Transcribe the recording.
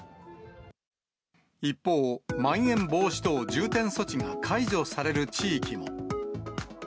一方、まん延防止等重点措置が解除される地域も。